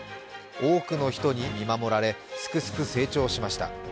多くの人に見守られすくすく成長しました。